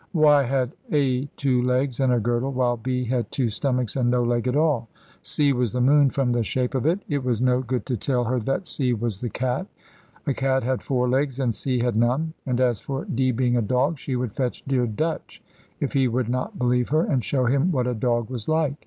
Why had A two legs and a girdle, while B had two stomachs and no leg at all? C was the moon, from the shape of it. It was no good to tell her that C was the cat; a cat had four legs and C had none: and as for D being a dog, she would fetch dear Dutch, if he would not believe her, and show him what a dog was like.